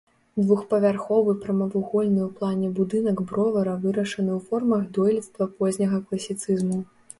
Двухпавярховы, прамавугольны ў плане будынак бровара вырашаны ў формах дойлідства позняга класіцызму.